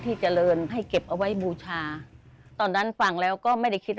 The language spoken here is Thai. เจริญให้เก็บเอาไว้บูชาตอนนั้นฟังแล้วก็ไม่ได้คิด